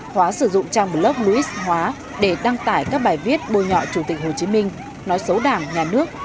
hóa sử dụng trang blog buis hóa để đăng tải các bài viết bôi nhọ chủ tịch hồ chí minh nói xấu đảng nhà nước